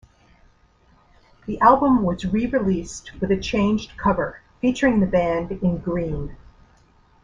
The album was re-released with a changed cover, featuring the band in green.